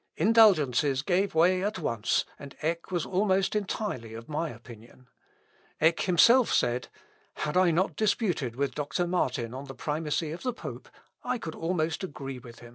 "Indulgences gave way at once, and Eck was almost entirely of my opinion." Eck himself said, "Had I not disputed with Doctor Martin on the primacy of the pope, I could almost agree with him."